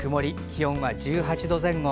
気温は１８度前後。